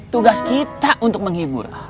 tugas kita untuk menghibur